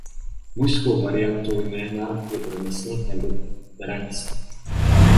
Mužskou variantou jména je Bronislav nebo Branislav.